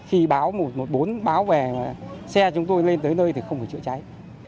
khi báo một trăm một mươi bốn báo về mà xe chúng tôi lên tới nơi thì không phải chữa cháy